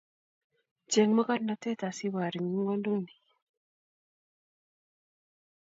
cheng makornatet asibor eng ng'wenduni